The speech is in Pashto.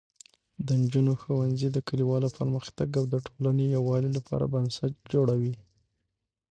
د نجونو ښوونځی د کلیوالو پرمختګ او د ټولنې یووالي لپاره بنسټ جوړوي.